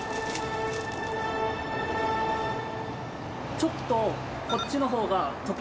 ちょっとこっちの方が。